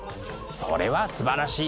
それはすばらしい！